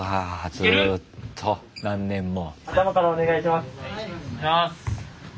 ずっと何年も。